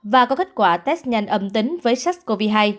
và có kết quả test nhanh âm tính với sars cov hai